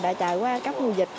đã trải qua các mùa dịch